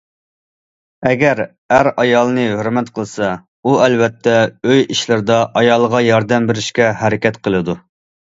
ئەگەر ئەر ئايالنى ھۆرمەت قىلسا، ئۇ ئەلۋەتتە ئۆي ئىشلىرىدا ئايالىغا ياردەم بېرىشكە ھەرىكەت قىلىدۇ.